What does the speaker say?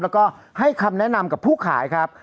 แล้วก็ให้คำแนะนำกับผู้ขายครับ